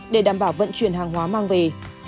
để đảm bảo vận chuyển hàng hóa mang về